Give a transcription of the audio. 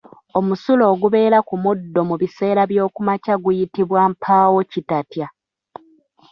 Omusulo ogubeera ku muddo mu biseera by'okumakya guyitibwa Mpaawokitatya.